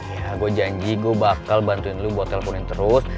ya gue janji gue bakal bantuin lu buat teleponin terus